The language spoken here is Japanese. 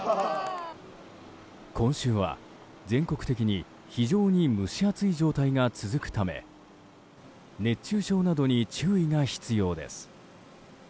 今週は全国的に非常に蒸し暑い状態が続くため熱中症などに注意が必要です。